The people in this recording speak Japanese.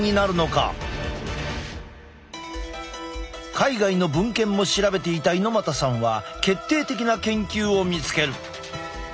海外の文献も調べていた猪又さんは決定的な研究を見つける。